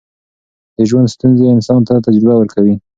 د ژوند ستونزې انسان ته تجربه ورکوي.